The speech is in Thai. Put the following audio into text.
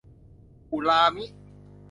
อูรามิ !